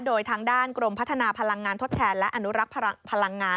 โดยทางด้านกรมพัฒนาพลังงานทดแทนและอนุรักษ์พลังงาน